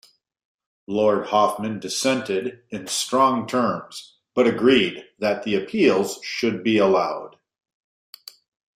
Lord Hoffmann dissented in strong terms, but agreed that the appeals should be allowed.